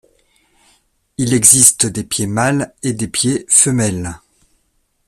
Il existe des pieds mâles et des pieds femelles.